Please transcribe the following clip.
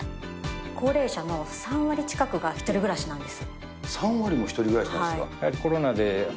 高齢者の３割近くが１人暮らしなんです。